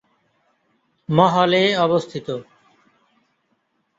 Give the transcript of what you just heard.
মহল -এ অবস্থিত।